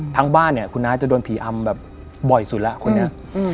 บ้านเนี่ยคุณน้าจะโดนผีอำแบบบ่อยสุดแล้วคนนี้